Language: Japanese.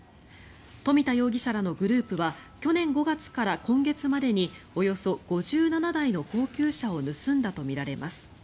冨田容疑者らのグループは去年５月から今月までにおよそ５７台の高級車を盗んだとみられます。